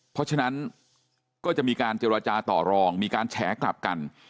เพราะฉะนั้นก็จะมีการเจรจาต่อรองมีการแฉกลับกัน